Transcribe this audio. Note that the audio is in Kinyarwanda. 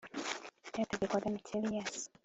cyategekwaga na kereyasi